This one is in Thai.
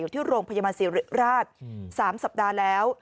อยู่ที่โรงพยาบาลสีราช๓สัปดาห์แล้ว